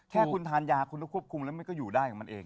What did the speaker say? แค่คุณทานยาคุณต้องควบคุมแล้วมันก็อยู่ได้ของมันเอง